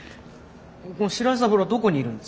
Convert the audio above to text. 白井三郎はどこにいるんです。